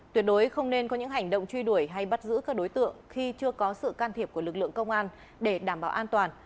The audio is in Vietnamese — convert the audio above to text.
tuyệt đối không nên có những hành động truy đuổi hay bắt giữ các đối tượng khi chưa có sự can thiệp của lực lượng công an để đảm bảo an toàn